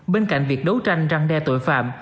bên cạnh việc đấu tranh răng đe tội phạm